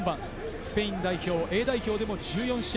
スペイン代表、Ａ代表でも１４試合